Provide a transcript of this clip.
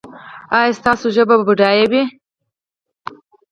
ایا ستاسو ژبه به بډایه وي؟